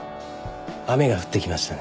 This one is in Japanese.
雨が降ってきましたね